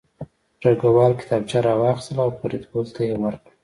ډګروال کتابچه راواخیسته او فریدګل ته یې ورکړه